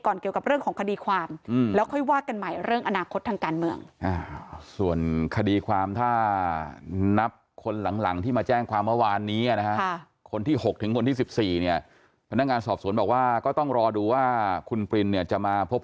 ก่อนเกี่ยวกับเรื่องของคดีความ